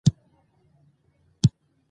او زه یې د مور تر شا کېنولم.